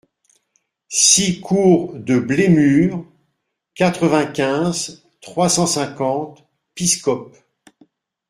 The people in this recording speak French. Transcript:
six cour de Blémur, quatre-vingt-quinze, trois cent cinquante, Piscop